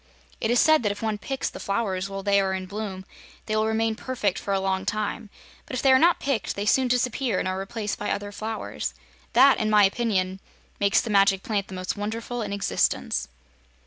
It is said that if one picks the flowers while they are in bloom they will remain perfect for a long time, but if they are not picked they soon disappear and are replaced by other flowers. That, in my opinion, make the Magic Plant the most wonderful in existence."